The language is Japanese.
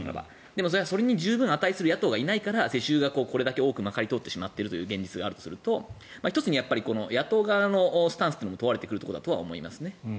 でも、それに十分値する野党がいないから世襲がこれだけ多くまかり通ってしまっている現実があるとすると１つに野党側のスタンスも問われてくるところだとは思います。